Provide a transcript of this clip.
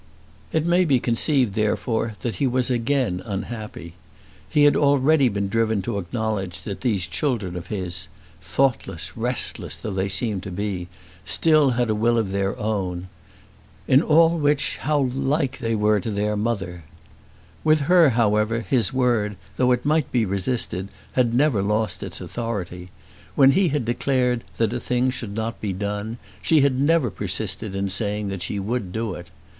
It may be conceived, therefore, that he was again unhappy. He had already been driven to acknowledge that these children of his, thoughtless, restless, though they seemed to be, still had a will of their own. In all which how like they were to their mother! With her, however, his word, though it might be resisted, had never lost its authority. When he had declared that a thing should not be done, she had never persisted in saying that she would do it.